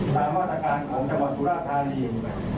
สามารถการณ์ของจังหวัดสุรธารีย์